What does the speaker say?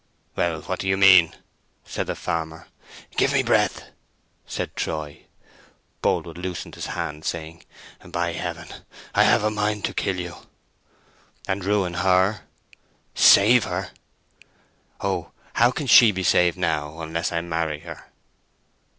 "Well, what do you mean?" said the farmer. "Give me breath," said Troy. Boldwood loosened his hand, saying, "By Heaven, I've a mind to kill you!" "And ruin her." "Save her." "Oh, how can she be saved now, unless I marry her?"